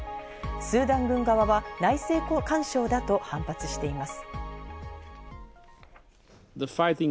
スーダン軍側は内政干渉だと反発しています。